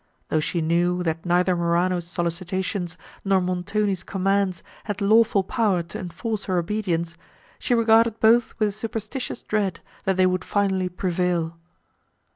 Though she knew, that neither Morano's solicitations, nor Montoni's commands had lawful power to enforce her obedience, she regarded both with a superstitious dread, that they would finally prevail.